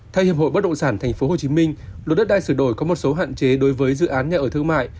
theo hiệp hội bất động sản tp hcm luật đất đai sửa đổi có một số hạn chế đối với dự án nhà ở thương mại